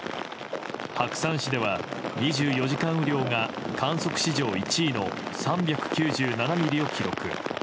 白山市では２４時間雨量が観測史上１位の３９７ミリを記録。